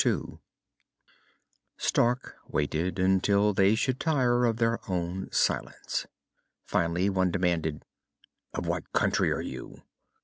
II Stark waited, until they should tire of their own silence. Finally one demanded, "Of what country are you?"